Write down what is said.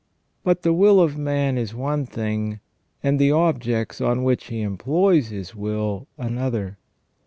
But the will of man is one thing, and the objects on which he employs his will another.